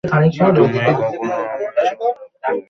তুমি কখনো আমায় সে অনুরোধ করো না।